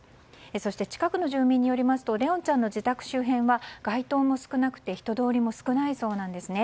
そして近くの住民によりますと怜音ちゃんの自宅の周辺は街灯も少なくて人通りも少ないそうなんですね。